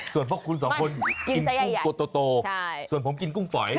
ส่วนพวกคุณสองคนกินกุ้งตัวโตส่วนผมกินกุ้งฝอย